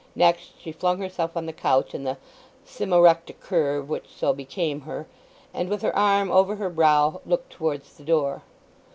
Next she flung herself on the couch in the cyma recta curve which so became her, and with her arm over her brow looked towards the door.